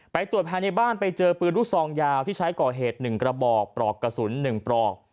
ตรวจภายในบ้านไปเจอปืนลูกซองยาวที่ใช้ก่อเหตุ๑กระบอกปลอกกระสุน๑ปลอก